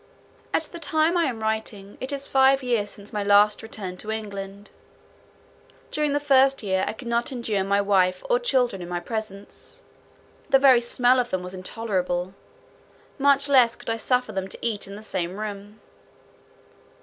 At the time I am writing, it is five years since my last return to England. During the first year, I could not endure my wife or children in my presence; the very smell of them was intolerable; much less could I suffer them to eat in the same room.